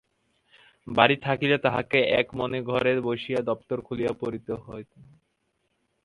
বাড়ি থাকিলে তাহাকে এক মনে ঘরে বসিয়া দপ্তর খুলিয়া পড়িতে হয়।